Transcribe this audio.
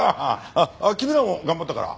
あっ君らも頑張ったから。